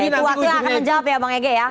itu waktu yang akan menjawab ya bang ege ya